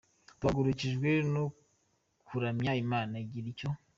Duhagurukijwe no kuramya Imana igira icyo